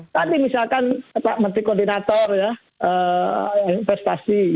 tadi misalkan menteri koordinator investasi